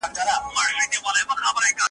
ژوند سرود ,